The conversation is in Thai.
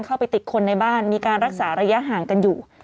เข้าไปติดคนในบ้านมีการรักษาระยะห่างกันอยู่